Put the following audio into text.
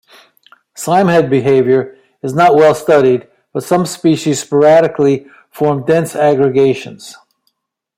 Slimehead behaviour is not well studied, but some species sporadically form dense aggregations.